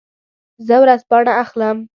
زه ورځپاڼه اخلم.